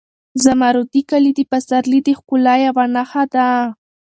زمردي کالي د پسرلي د ښکلا یوه نښه ده.